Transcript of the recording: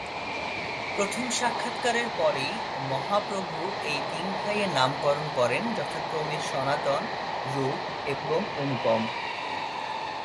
প্রথম সাক্ষাৎকারের পরেই মহাপ্রভু এই তিন ভাইয়ের নামকরণ করেন যথাক্রমে সনাতন, রূপ এবং অনুপম।